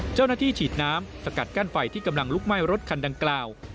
เจ้าหน้าที่ฉีดน้ำสกัดกั้นไฟที่กำลังลุกไหม้รถคันดังกล่าว